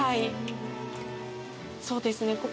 そうですね